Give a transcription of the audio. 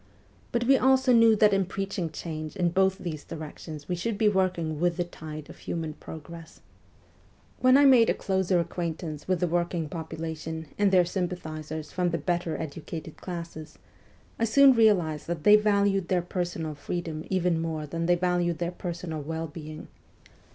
But we also knew that in preaching change in both these directions we should be working with the tide of human progress. 208 MEMOIRS OF A REVOLUTIONIST When I made a closer acquaintance with the working population and their sympathisers from the better educated classes, I soon realised that they valued their personal freedom even more than they valued their personal well being.